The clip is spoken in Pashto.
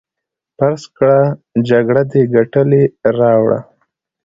فرض کړه جګړه دې ګټلې راوړه.